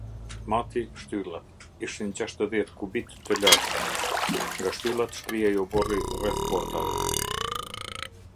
Mati shtyllat: ishin gjashtëdhjetë kubitë të lartë; nga shtyllat shtrihej oborri rreth portave.